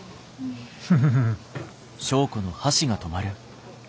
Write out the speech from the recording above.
フフフフ。